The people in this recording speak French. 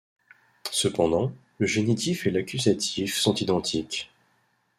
Cependant, le génitif et l'accusatif sont identiques.